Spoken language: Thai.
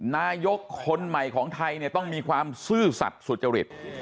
นายกคนใหม่ของไทยเนี่ยต้องมีความซื่อสัตว์สุจริต